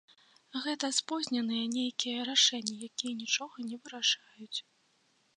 Гэта спозненыя нейкія рашэнні, якія нічога не вырашаюць.